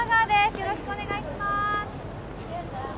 よろしくお願いします